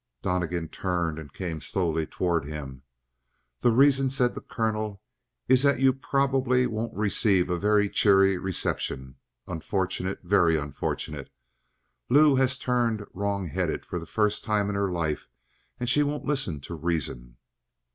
Donnegan turned and came slowly toward him. "The reason," said the colonel, "is that you probably won't receive a very cheery reception. Unfortunate very unfortunate. Lou has turned wrong headed for the first time in her life and she won't listen to reason."